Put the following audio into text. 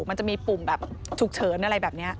มันจะมีปุ่มแบบฉุกเฉินอะไรแบบนี้